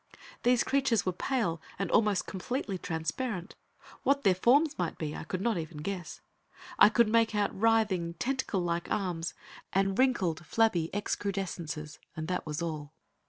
These creatures were pale, and almost completely transparent. What their forms might be, I could not even guess. I could make out writhing, tentacle like arms, and wrinkled, flabby excrudescences and that was all.